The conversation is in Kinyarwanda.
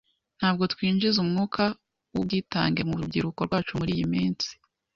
Ntabwo twinjiza umwuka wubwitange mu rubyiruko rwacu muriyi minsi.